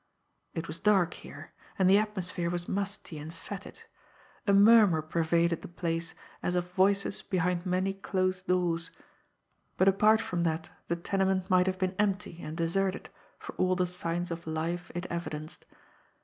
It was dark here, and the atmosphere was musty and fetid; a murmur pervaded the place as of voices behind many closed doors, but apart from that the tenement might have been empty and deserted for all the signs of life it evidenced.